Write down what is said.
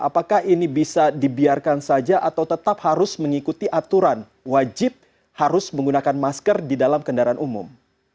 apakah ini bisa dibiarkan saja atau tetap harus mengikuti aturan wajib harus menggunakan masker di dalam kendaraan umum